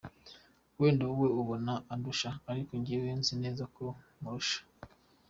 wenda wowe ubona ko andusha, ariko ngewe nzi neza ko murusha.